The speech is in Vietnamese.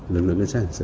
mà phá án như vậy là